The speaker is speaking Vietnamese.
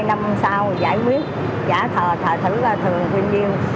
chỉ cần hai năm sau giải quyết giả thờ thử là thường bao nhiêu